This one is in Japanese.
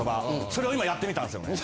それを今やってみたんですよね。